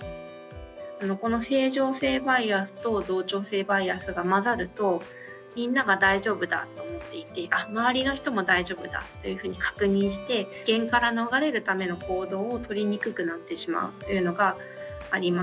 この正常性バイアスと同調性バイアスが混ざるとみんなが大丈夫だと思っていてあっ周りの人も大丈夫だというふうに確認して危険から逃れるための行動をとりにくくなってしまうというのがあります。